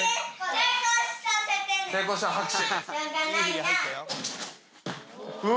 成功したら拍手。